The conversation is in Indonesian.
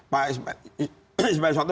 pak ismail yusanto